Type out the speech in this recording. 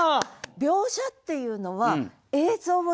描写っていうのは映像をつくる。